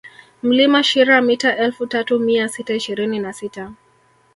Mlima Shira mita elfu tatu mia sita ishirini na sita